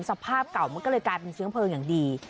สภาพเก่ามันก็เลยกลายเป็นเชื้อเพลิงอย่างดี